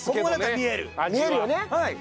見えるよね。